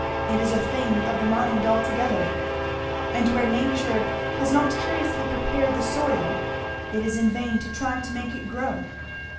It is a thing of the mind altogether; and where nature has not curiously prepared the soil it is in vain to try to make it grow.